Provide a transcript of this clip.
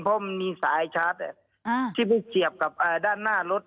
เพราะมันมีสายชาร์จที่ไปเสียบกับด้านหน้ารถ